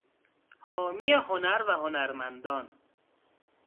حامی هنر و هنرمندان